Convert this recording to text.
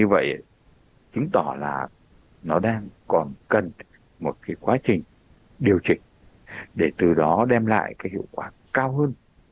để chứng tỏ là nó đang còn cần một cái quá trình điều chỉnh để từ đó đem lại cái hiệu quả cao hơn